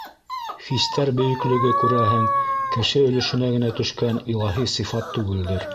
Хистәр бөйөклөгө, күрәһең, кеше өлөшөнә генә төшкән илаһи сифат түгелдер.